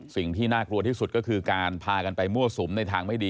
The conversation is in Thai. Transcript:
สิ่งที่น่ากลัวที่สุดก็คือการพากันไปมั่วสุมในทางไม่ดี